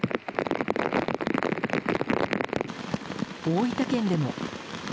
大分県でも。